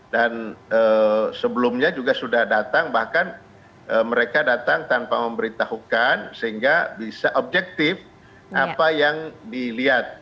dan sebelumnya juga sudah datang bahkan mereka datang tanpa memberitahukan sehingga bisa objektif apa yang dilihat